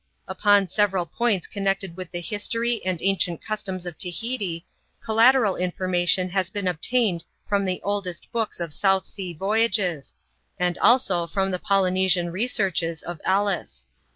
Upon several pointa connected with the history and ancient PREFACE. u customs of Tahiti, collateral information has been obtained from the oldest books of South Sea voyages, and also from the " Polynesian Researches " of Ellis.